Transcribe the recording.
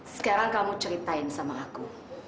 sekarang kamu ceritain sama aku